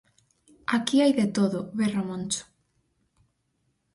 _Aquí hai de todo _berra Moncho.